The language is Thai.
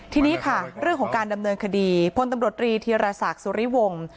ทีนี้ค่ะเรื่องของการดำเนินคดีพลตำรวจรีธีรศักดิ์สุริวงศ์